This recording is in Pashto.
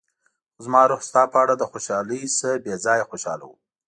خو زما روح ستا په اړه له خوشحالۍ نه بې ځايه خوشاله و.